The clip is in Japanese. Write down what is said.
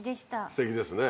すてきですね。